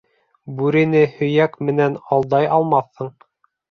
Бүрене һөйәк менән алдай алмаҫһың.